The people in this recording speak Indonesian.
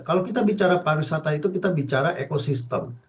kalau kita bicara pariwisata itu kita bicara ekosistem